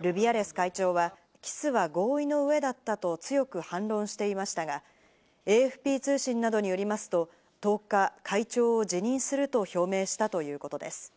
ルビアレス会長はキスは合意の上だったと強く反論していましたが、ＡＦＰ通信などによりますと、１０日、会長を辞任すると表明したということです。